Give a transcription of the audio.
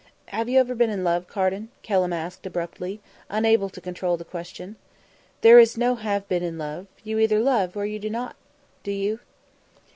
"Have you ever been in love, Carden?" Kelham asked abruptly, unable to control the question. "There is no have been in love. You either love or you do not love. Do you?"